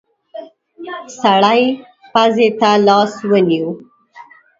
سړی پزې ته لاس ونيو.